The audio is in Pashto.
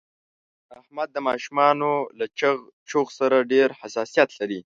احمد د ماشومانو له چغ چوغ سره ډېر حساسیت لري.